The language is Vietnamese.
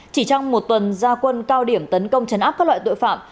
chỉ trong một tuần gia quân cao điểm tấn công chấn áp các loại tội phạm